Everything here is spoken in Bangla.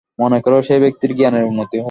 মনে কর, সেই ব্যক্তির জ্ঞানের উন্নতি হইল।